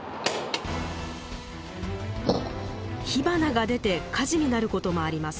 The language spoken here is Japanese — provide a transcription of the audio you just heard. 火花が出て火事になることもあります。